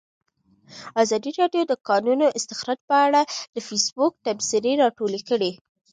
ازادي راډیو د د کانونو استخراج په اړه د فیسبوک تبصرې راټولې کړي.